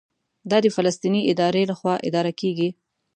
دا د فلسطیني ادارې لخوا اداره کېږي.